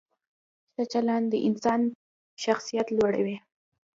ښه چلند د انسان شخصیت لوړوي.